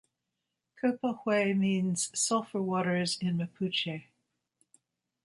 "Copahue" means "sulphur waters" in Mapuche.